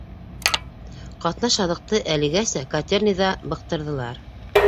Ҡатнаш аҙыҡты әлегәсә котельныйҙа быҡтырҙылар.